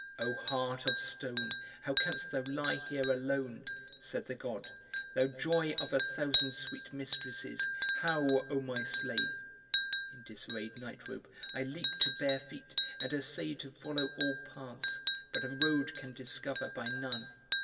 'Oh heart of stone, how canst thou lie here alone?' said the God, 'Thou joy of a thousand sweet mistresses, how, oh my slave?' In disarrayed nightrobe I leap to bare feet and essay To follow all paths; but a road can discover by none.